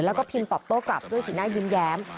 แล้วก็พิมพ์ตอบโต้กลับด้วยสีหน้ายิ้มแย้ม